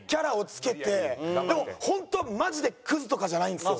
でもホントはマジでクズとかじゃないんですよ。